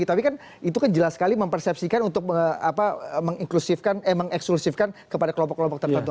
tapi kan itu kan jelas sekali mempersepsikan untuk mengeksklusifkan kepada kelompok kelompok tertentu